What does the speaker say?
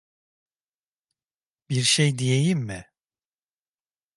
Bir şey diyeyim mi?